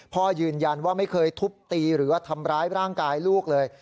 พ่อยืนยันว่าไม่เคยทุบตีหรือว่าทำร้ายร่างกายลูกเลย